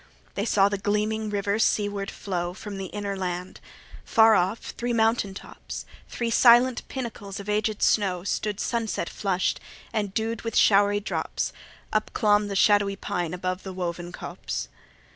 They saw the gleaming river seaward flow From the inner land: far off, three mountain tops, Three silent pinnacles of aged snow, Stood sunset flush'd: and, dew'd with showery drops, Up clomb the shadowy pine above the woven copse.